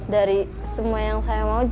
dari semua yang saya mau